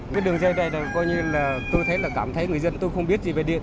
cái đường dây này là coi như là tôi thấy là cảm thấy người dân tôi không biết gì về điện